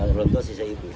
orang tua sisa ibu